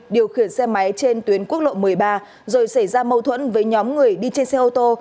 điều khiển xe máy trên tuyến quốc lộ một mươi ba rồi xảy ra mâu thuẫn với nhóm người đi trên xe ô tô